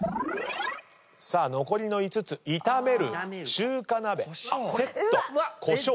さあ残りの５つ炒める中華鍋セットコショウ火力。